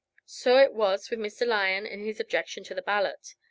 So it was with Mr. Lyon and his objection to the ballot.